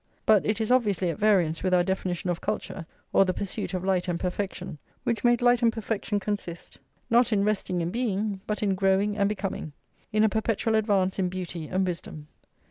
But it is obviously at variance with our definition of culture, or the pursuit of light and perfection, which made light and perfection consist, not in resting and being, but in growing and becoming, in a perpetual advance in beauty and wisdom.